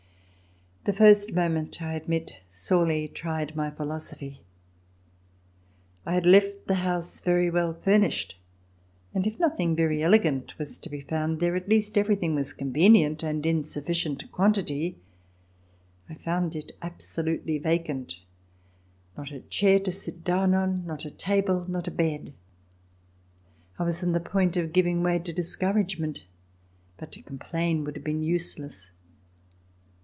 The first moment, I admit, sorely tried my phi losophy. I had left the house very well furnished, and if nothing very elegant was to be found there, at least everything was convenient and in sufficient quantity. I found it absolutely vacant. Not a chair to sit down on, not a table, not a bed. I was on the point of giving way to discouragement, but to com plain would have been useless.